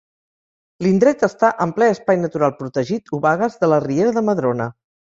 L'indret està en ple espai natural protegit Obagues de la riera de Madrona.